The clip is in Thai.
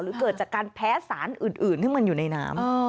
เกิดจากการแพ้สารอื่นที่มันอยู่ในน้ำ